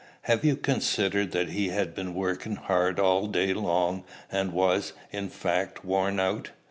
Have you considered that he had been working hard all day long, and was, in fact, worn out?